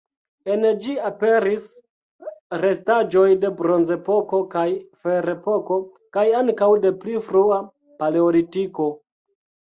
En ĝi aperis restaĵoj de Bronzepoko kaj Ferepoko, kaj ankaŭ de pli frua Paleolitiko.